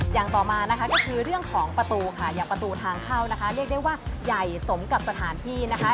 อย่างต่อมานะคะก็คือเรื่องของประตูค่ะอย่างประตูทางเข้านะคะเรียกได้ว่าใหญ่สมกับสถานที่นะคะ